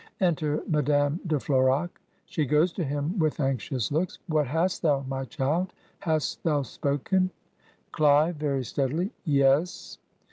"Enter Madame de F'horac, (She goes to him with anxious looks.) 'What hast thou, my child? Hast thou spoken?' "Clive (very steadily). 'Yes.'